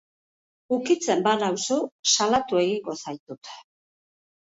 Ukitzen banauzu salatu egingo zaitut.